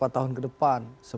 empat tahun ke depan